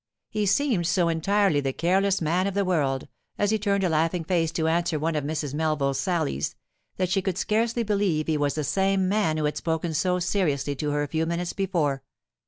He seemed so entirely the careless man of the world, as he turned a laughing face to answer one of Mrs. Melville's sallies, that she could scarcely believe he was the same man who had spoken so seriously to her a few minutes before.